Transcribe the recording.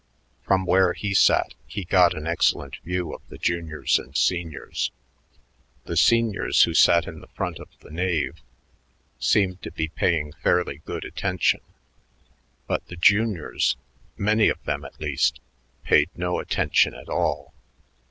From where he sat he got an excellent view of the juniors and seniors. The seniors, who sat in the front of the nave, seemed to be paying fairly good attention; but the juniors many of them, at least paid no attention at all.